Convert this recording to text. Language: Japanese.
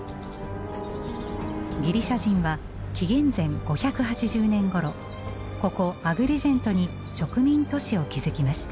ギリシャ人は紀元前５８０年ごろここアグリジェントに植民都市を築きました。